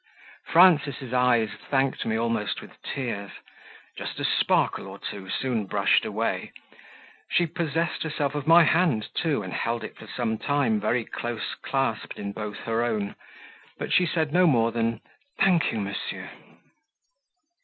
Frances' eyes thanked me almost with tears; just a sparkle or two, soon brushed away; she possessed herself of my hand too, and held it for some time very close clasped in both her own, but she said no more than "Thank you, monsieur."